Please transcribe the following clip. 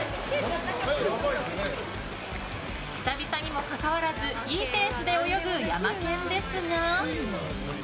久々にもかかわらずいいペースで泳ぐヤマケンですが。